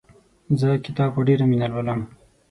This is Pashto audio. زه کتاب په ډېره مینه لولم.